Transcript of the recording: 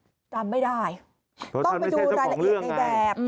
เพราะท่านไม่ใช่เจ้าของเรื่องไงต้องไปดูรายละเอียดในแบบ